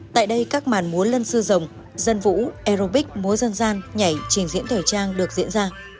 tại đây các màn múa lân sư rồng dân vũ aerobics múa dân gian nhảy trình diễn thời trang được diễn ra